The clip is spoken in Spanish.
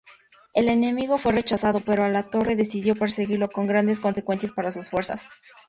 El enemigo fue rechazado, pero Alatorre decidió perseguirlo con grandes consecuencias para sus fuerzas.